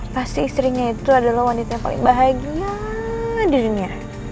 pasti istrinya itu adalah wanita yang paling bahagia ngadilnya